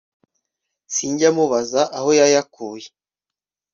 sinjya mubaza aho yayakuye